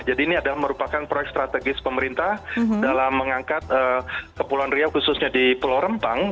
jadi ini adalah merupakan proyek strategis pemerintah dalam mengangkat kepulauan riau khususnya di pulau rempang